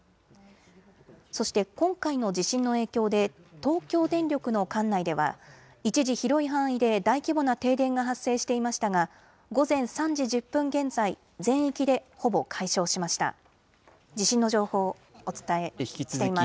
そして今回の地震の影響で東京電力の管内では一時、広い範囲で大規模な停電が発生していましたが午前３時１０分現在、全域でほぼ解消しました。